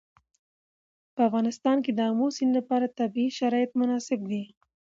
په افغانستان کې د آمو سیند لپاره طبیعي شرایط مناسب دي.